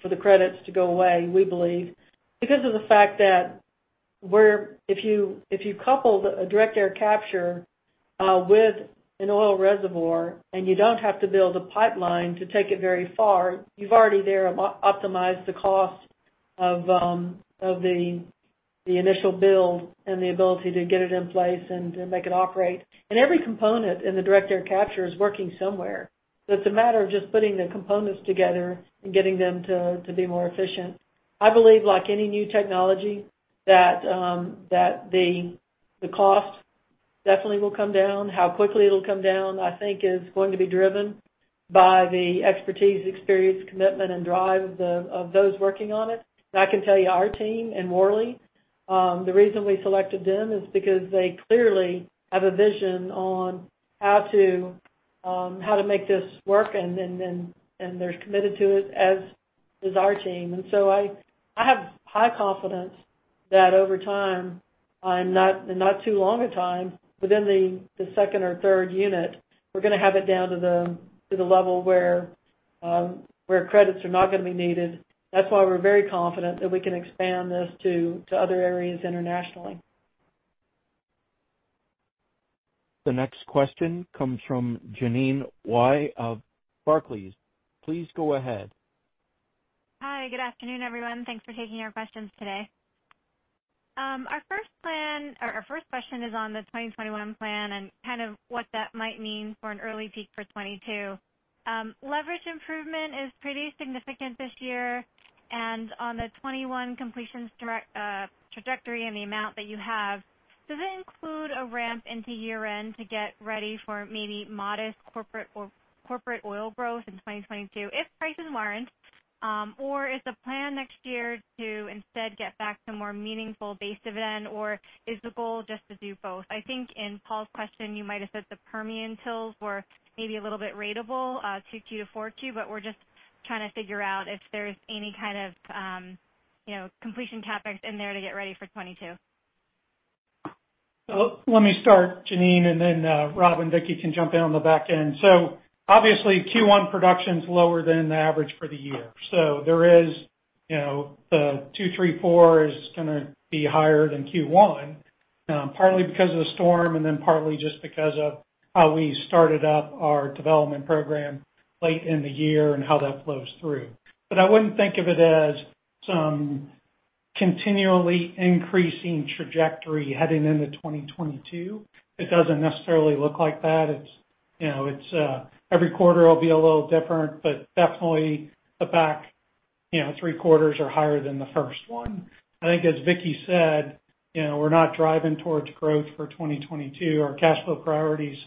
S3: the credits to go away, we believe. Because of the fact that if you couple a direct air capture with an oil reservoir and you don't have to build a pipeline to take it very far, you've already there optimized the cost of the initial build and the ability to get it in place and make it operate. Every component in the direct air capture is working somewhere. It's a matter of just putting the components together and getting them to be more efficient. I believe like any new technology, that the cost definitely will come down. How quickly it'll come down, I think, is going to be driven by the expertise, experience, commitment and drive of those working on it. I can tell you, our team in Worley, the reason we selected them is because they clearly have a vision on how to make this work, and they're committed to it, as is our team. So I have high confidence that over time, and not too long a time, within the second or third unit, we're going to have it down to the level where credits are not going to be needed. That's why we're very confident that we can expand this to other areas internationally.
S1: The next question comes from Jeanine Wai of Barclays. Please go ahead.
S9: Hi, good afternoon, everyone. Thanks for taking our questions today. Our first question is on the 2021 plan and kind of what that might mean for an early peak for '22. Leverage improvement is pretty significant this year. On the '21 completions trajectory and the amount that you have, does it include a ramp into year-end to get ready for maybe modest corporate oil growth in 2022 if prices warrant? Is the plan next year to instead get back to more meaningful base event? Is the goal just to do both? I think in Paul's question, you might have said the Permian tilts were maybe a little bit ratable, 2Q to 4Q, but we're just trying to figure out if there's any kind of completion CapEx in there to get ready for '22.
S2: Let me start, Jeanine, and then Rob and Vicki can jump in on the back end. Obviously, Q1 production's lower than the average for the year. The two, three, four is going to be higher than Q1, partly because of the storm and then partly just because of how we started up our development program late in the year and how that flows through. I wouldn't think of it as some continually increasing trajectory heading into 2022. It doesn't necessarily look like that. Every quarter will be a little different, definitely the back three quarters are higher than the first one. I think as Vicki said, we're not driving towards growth for 2022. Our cash flow priorities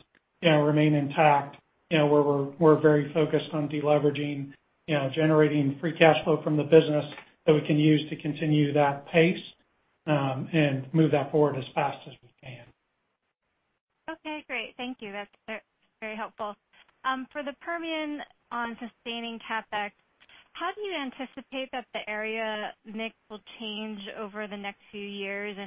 S2: remain intact, where we're very focused on de-leveraging, generating free cash flow from the business that we can use to continue that pace, and move that forward as fast as we can.
S9: Okay, great. Thank you. That's very helpful. For the Permian on sustaining CapEx, how do you anticipate that the area mix will change over the next few years?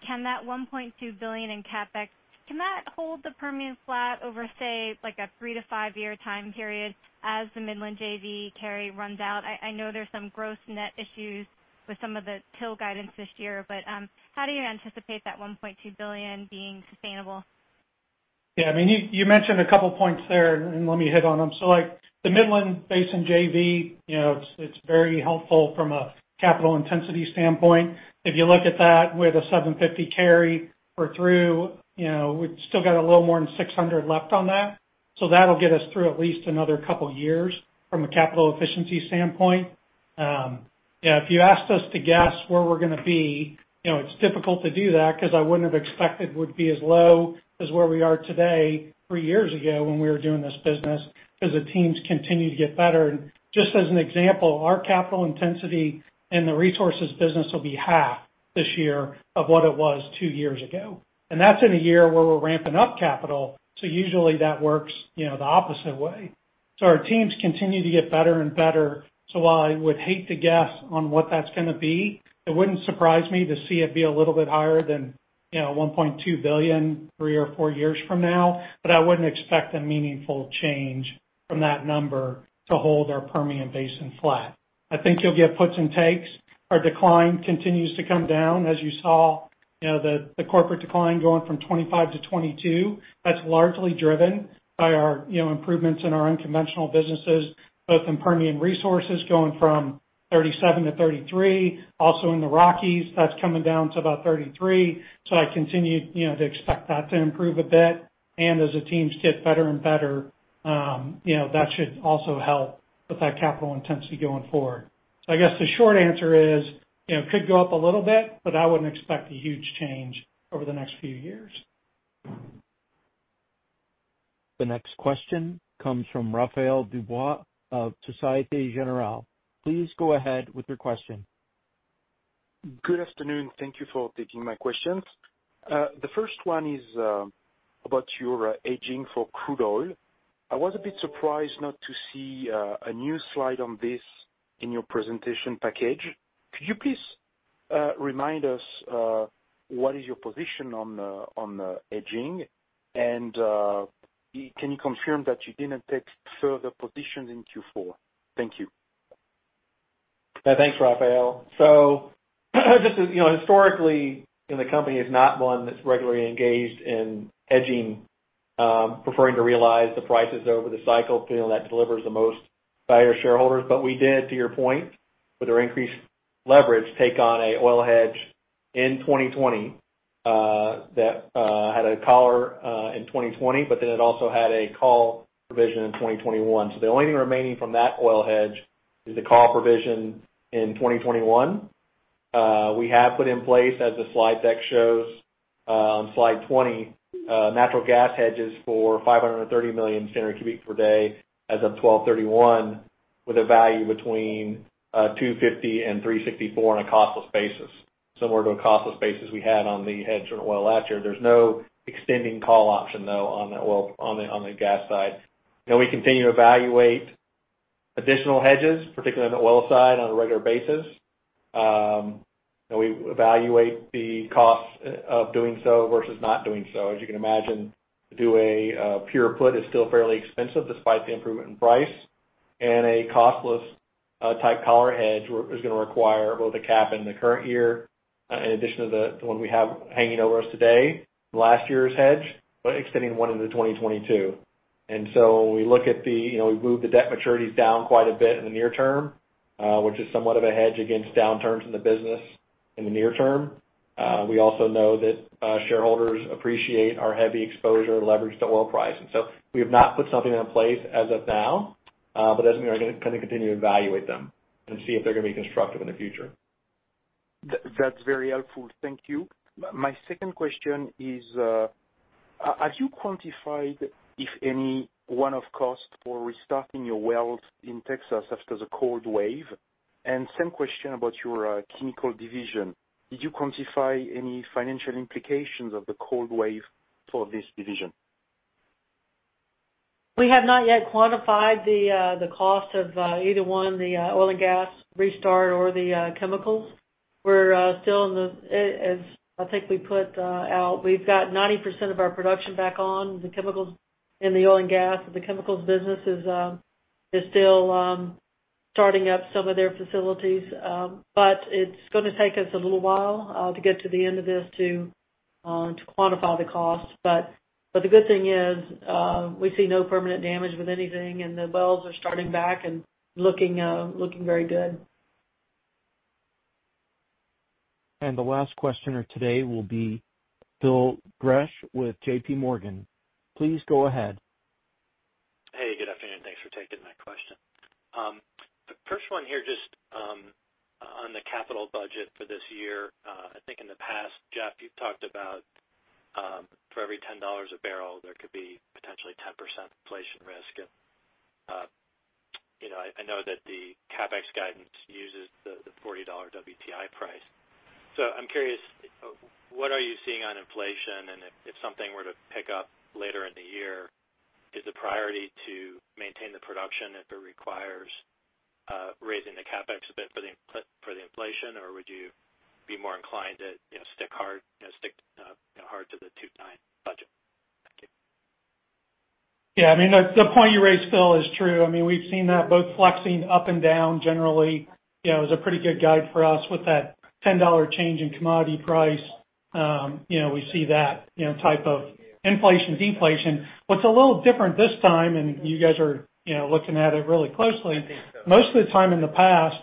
S9: Can that $1.2 billion in CapEx, can that hold the Permian flat over, say, like a 3-5 year time period as the Midland JV carry runs out? I know there's some gross net issues with some of the drill guidance this year, but how do you anticipate that $1.2 billion being sustainable?
S2: Yeah. You mentioned a couple points there. Let me hit on them. The Midland Basin JV, it's very helpful from a capital intensity standpoint. If you look at that with a $750 carry through, we've still got a little more than $600 left on that. That'll get us through at least another couple of years from a capital efficiency standpoint. If you asked us to guess where we're going to be, it's difficult to do that because I wouldn't have expected we would be as low as where we are today three years ago when we were doing this business, because the teams continue to get better. Just as an example, our capital intensity in the resources business will be half this year of what it was two years ago. That's in a year where we're ramping up capital, so usually that works the opposite way. Our teams continue to get better and better. While I would hate to guess on what that's going to be, it wouldn't surprise me to see it be a little bit higher than $1.2 billion three or four years from now. I wouldn't expect a meaningful change from that number to hold our Permian Basin flat. I think you'll get puts and takes. Our decline continues to come down, as you saw, the corporate decline going from 25% - 22%. That's largely driven by our improvements in our unconventional businesses, both in Permian Resources going from 37% to 33%, also in the Rockies, that's coming down to about 33%. I continue to expect that to improve a bit. As the teams get better and better, that should also help with that capital intensity going forward. I guess the short answer is, it could go up a little bit, but I wouldn't expect a huge change over the next few years.
S1: The next question comes from Raphaël DuBois of Société Générale. Please go ahead with your question.
S10: Good afternoon. Thank you for taking my questions. The first one is about your hedging for crude oil. I was a bit surprised not to see a new slide on this in your presentation package. Could you please remind us what is your position on the hedging, and can you confirm that you didn't take further position in Q4? Thank you.
S4: Yeah, thanks, Raphaël. Historically, the company is not one that's regularly engaged in hedging, preferring to realize the prices over the cycle, feeling that delivers the most to our shareholders. We did, to your point, with our increased leverage, take on a oil hedge in 2020 that had a collar in 2020, but then it also had a call provision in 2021. The only thing remaining from that oil hedge is the call provision in 2021. We have put in place, as the slide deck shows, slide 20, natural gas hedges for 530 million standard cubic per day as of 12/31 with a value between $250 and $364 on a costless basis, similar to a costless basis we had on the hedge on oil last year. There's no extending call option, though, on the gas side. We continue to evaluate additional hedges, particularly on the oil side, on a regular basis. We evaluate the cost of doing so versus not doing so. As you can imagine, to do a pure put is still fairly expensive despite the improvement in price, and a costless type collar hedge is going to require both a cap in the current year, in addition to the one we have hanging over us today, last year's hedge, but extending one into 2022. We moved the debt maturities down quite a bit in the near term, which is somewhat of a hedge against downturns in the business in the near term. We also know that shareholders appreciate our heavy exposure leverage to oil pricing. We have not put something in place as of now, but as we are going to continue to evaluate them and see if they're going to be constructive in the future.
S10: That's very helpful. Thank you. My second question is, have you quantified, if any one-off cost for restarting your wells in Texas after the cold wave? Same question about your chemical division? Did you quantify any financial implications of the cold wave for this division?
S3: We have not yet quantified the cost of either one, the oil and gas restart or the chemicals. We're still in the I think we put out, we've got 90% of our production back on in the chemicals business is still starting up some of their facilities. It's going to take us a little while to get to the end of this to quantify the cost. The good thing is, we see no permanent damage with anything, and the wells are starting back and looking very good.
S1: The last questioner today will be Phil Gresh with JPMorgan. Please go ahead.
S11: Hey, good afternoon. Thanks for taking my question. The first one here, just on the capital budget for this year. I think in the past, Jeff, you've talked about for every $10 a barrel, there could be potentially 10% inflation risk. I know that the CapEx guidance uses the $40 WTI price. I'm curious, what are you seeing on inflation? If something were to pick up later in the year, is the priority to maintain the production if it requires raising the CapEx a bit for the inflation? Would you be more inclined to stick hard to the two nine budget? Thank you.
S2: Yeah. The point you raised, Phil, is true. We've seen that both flexing up and down generally is a pretty good guide for us with that $10 change in commodity price. We see that type of inflation, deflation. What's a little different this time, and you guys are looking at it really closely, most of the time in the past,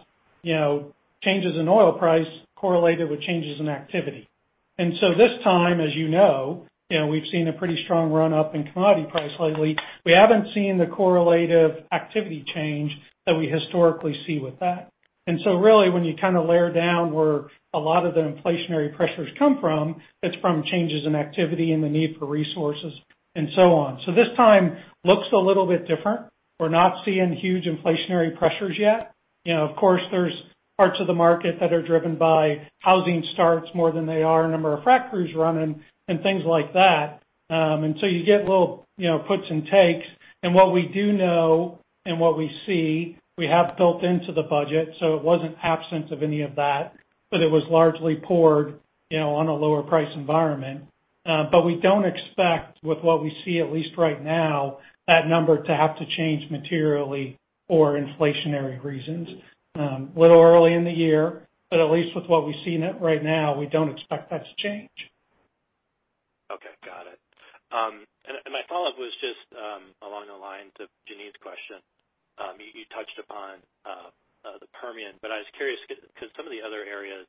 S2: changes in oil price correlated with changes in activity. This time, as you know, we've seen a pretty strong run-up in commodity price lately. We haven't seen the correlative activity change that we historically see with that. Really, when you layer down where a lot of the inflationary pressures come from, it's from changes in activity and the need for resources and so on. This time looks a little bit different. We're not seeing huge inflationary pressures yet. Of course, there's parts of the market that are driven by housing starts more than they are a number of frac crews running and things like that. You get little puts and takes. What we do know and what we see, we have built into the budget. It wasn't absent of any of that, but it was largely poured on a lower price environment. We don't expect with what we see, at least right now, that number to have to change materially for inflationary reasons. A little early in the year, but at least with what we've seen right now, we don't expect that to change.
S11: Okay. Got it. My follow-up was just along the lines of Jeanine's question. You touched upon the Permian, but I was curious because some of the other areas,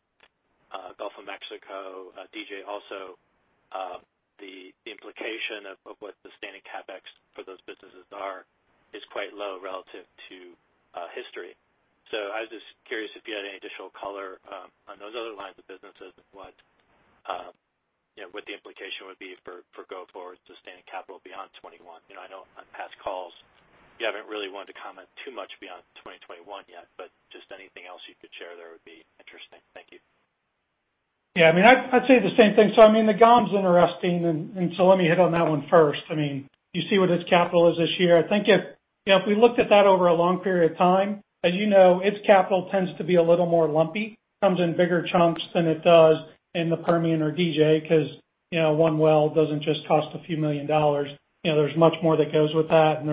S11: Gulf of Mexico, DJ also, the implication of what the sustaining CapEx for those businesses are is quite low relative to history. I was just curious if you had any additional color on those other lines of business as to what the implication would be for go-forward sustaining capital beyond 2021. I know on past calls you haven't really wanted to comment too much beyond 2021 yet, but just anything else you could share there would be interesting. Thank you.
S2: Yeah, I'd say the same thing. I mean, the GOM's interesting, and so let me hit on that one first. You see what its capital is this year. I think if we looked at that over a long period of time, as you know, its capital tends to be a little more lumpy, comes in bigger chunks than it does in the Permian or DJ, because one well doesn't just cost a few million dollars. There's much more that goes with that, and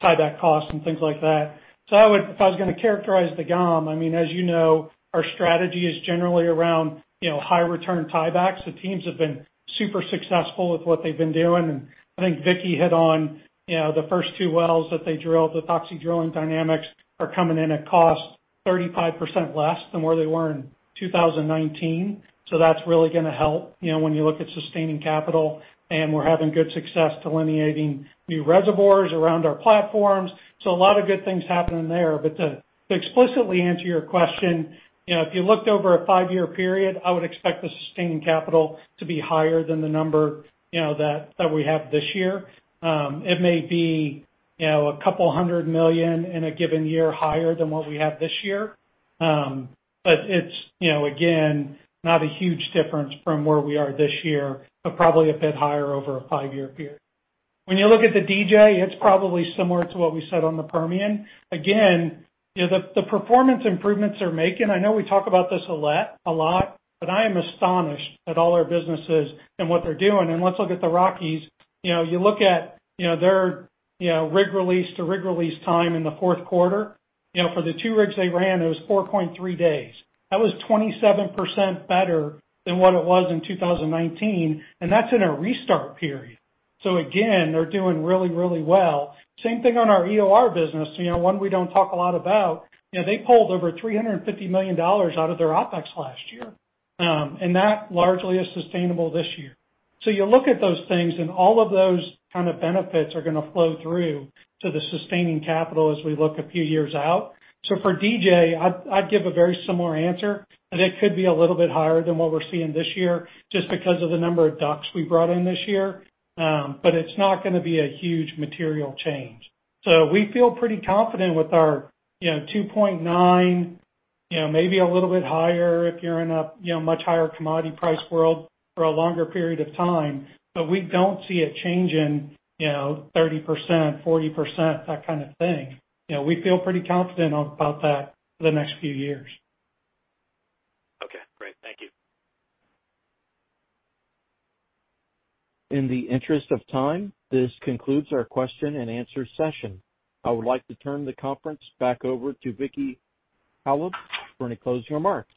S2: there's tieback costs and things like that. If I was going to characterize the GOM, as you know, our strategy is generally around high-return tiebacks. The teams have been super successful with what they've been doing, I think Vicki hit on the first two wells that they drilled with Oxy Drilling Dynamics are coming in at cost 35% less than where they were in 2019. That's really going to help when you look at sustaining capital. We're having good success delineating new reservoirs around our platforms. A lot of good things happening there. To explicitly answer your question, if you looked over a five-year period, I would expect the sustaining capital to be higher than the number that we have this year. It may be a $couple hundred million in a given year higher than what we have this year. It's, again, not a huge difference from where we are this year, but probably a bit higher over a five-year period. You look at the DJ, it's probably similar to what we said on the Permian. The performance improvements they're making, I know we talk about this a lot, but I am astonished at all our businesses and what they're doing. Let's look at the Rockies. You look at their rig release to rig release time in the fourth quarter. For the two rigs they ran, it was 4.3 days. That was 27% better than what it was in 2019, and that's in a restart period. They're doing really, really well. Same thing on our EOR business. One we don't talk a lot about. They pulled over $350 million out of their OpEx last year. That largely is sustainable this year. You look at those things, and all of those kind of benefits are going to flow through to the sustaining capital as we look a few years out. For DJ, I'd give a very similar answer, that it could be a little bit higher than what we're seeing this year just because of the number of DUCs we brought in this year. It's not going to be a huge material change. We feel pretty confident with our 2.9, maybe a little bit higher if you're in a much higher commodity price world for a longer period of time. We don't see a change in 30%, 40%, that kind of thing. We feel pretty confident about that for the next few years.
S11: Okay, great. Thank you.
S1: In the interest of time, this concludes our question-and-answer session. I would like to turn the conference back over to Vicki Hollub for any closing remarks.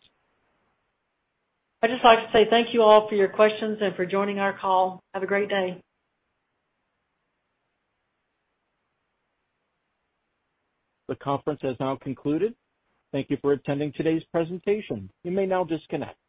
S3: I'd just like to say thank you all for your questions and for joining our call. Have a great day.
S1: The conference has now concluded. Thank you for attending today's presentation. You may now disconnect.